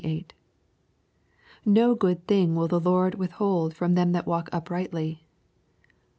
" No good thing will the Lord withhold from them that walk uprightly."